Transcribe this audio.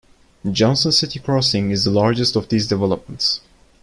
Johnson City Crossings is the largest of these developments.